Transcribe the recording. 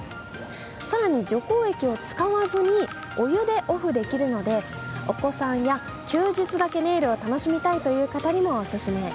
更に除光液を使わずにお湯でオフできるのでお子さんや休日だけネイルを楽しみたいという方にもオススメ。